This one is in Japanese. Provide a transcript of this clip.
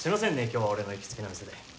今日は俺の行きつけの店で。